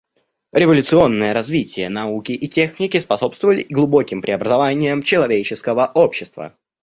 Революционное развитие науки и техники способствовали глубоким преобразованиям человеческого общества.